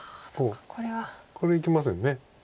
これはいけません。